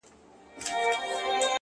مثبت چلند زړونه سره نږدې کوي.